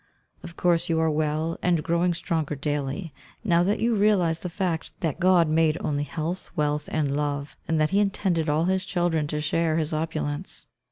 Of course you are well, and growing stronger daily, now that you realize the fact that God made only health, wealth, and love, and that he intended all his children to share his opulence.